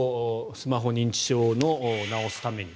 スマホ認知症の治すために。